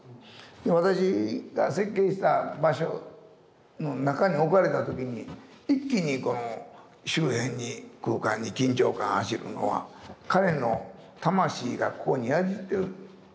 私が設計した場所の中に置かれた時に一気に周辺に空間に緊張感が走るのは彼の魂がここに宿っているんだと。